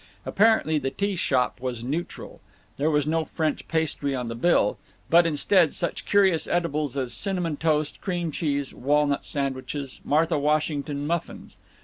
Apparently the Tea Shoppe was neutral. There was no French pastry on the bill, but, instead, such curious edibles as cinnamon toast, cream cheese, walnut sandwiches, Martha Washington muffins.